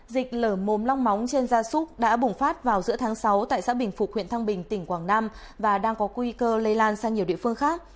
dịch lở mồm long móng trên gia súc đã bùng phát vào giữa tháng sáu tại xã bình phục huyện thăng bình tỉnh quảng nam và đang có nguy cơ lây lan sang nhiều địa phương khác